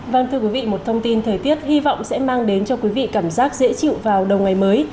vâng thưa quý vị một thông tin thời tiết hy vọng sẽ mang đến cho quý vị cảm giác dễ chịu vào đầu ngày mới